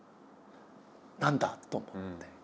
「何だ？」と思って。